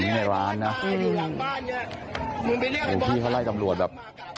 ในร้านนะพี่เขาไล่ตำรวจแบบ